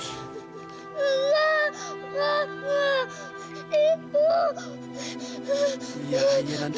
sama yang baru yang bagus